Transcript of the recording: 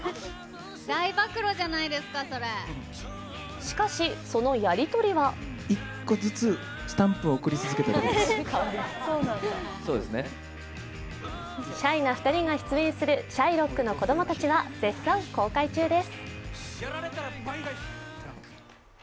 しかし、そのやりとりはシャイな２人が出演する「シャイロックの子供たち」は絶賛公開中です。